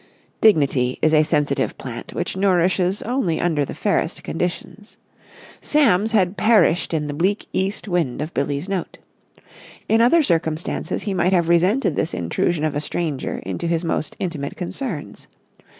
Dignity is a sensitive plant which nourishes only under the fairest conditions. Sam's had perished in the bleak east wind of Billie's note. In other circumstances he might have resented this intrusion of a stranger into his most intimate concerns.